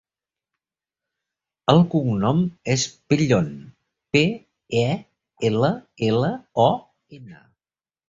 El cognom és Pellon: pe, e, ela, ela, o, ena.